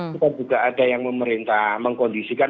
kita juga ada yang memerintah mengkondisikan